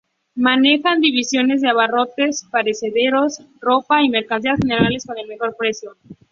Manejan divisiones de abarrotes, perecederos, ropa y mercancías generales con el mejor precio.